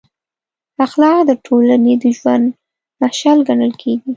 اخلاق د ټولنې د ژوند مشال ګڼل کېږي.